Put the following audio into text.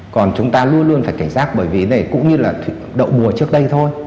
còn chúng ta luôn luôn phải cảnh giác bởi vì này cũng như là đậu mùa trước đây thôi